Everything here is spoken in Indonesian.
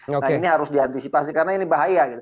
nah ini harus diantisipasi karena ini bahaya